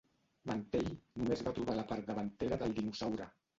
Mantell només va trobar la part davantera del dinosaure.